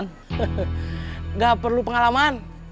nggak perlu pengalaman